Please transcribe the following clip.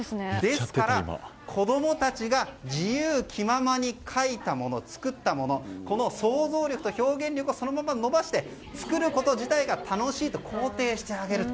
ですから、子供たちが自由気ままに描いたもの作ったものこの想像力と表現力をそのまま伸ばして作ること自体が楽しいと肯定してあげると。